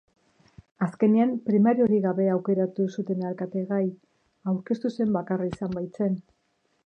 Azkenean primariorik gabe aukeratu zuten alkategai, aurkeztu zen bakarra izan baitzen.